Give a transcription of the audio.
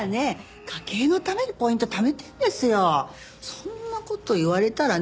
そんな事言われたらね